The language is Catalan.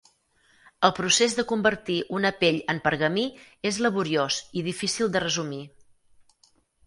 El procés de convertir una pell en pergamí és laboriós i difícil de resumir.